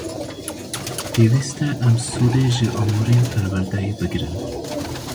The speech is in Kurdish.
Pêwîst e em sûdê ji amûrên perwerdeyê bigrin.